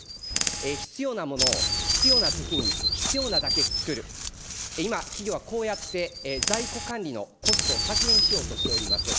必要なものを必要なときに必要なだけ作る、今、企業はこうやって在庫管理のコストを削減しようとしております。